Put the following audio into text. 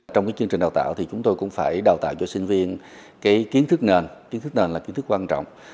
trong chương trình đào tạo thì chúng tôi cũng phải đào tạo cho sinh viên kiến thức nền kiến thức nền là kiến thức quan trọng